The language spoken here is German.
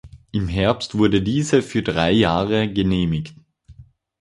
Im Herbst wurde diese für drei Jahre genehmigt.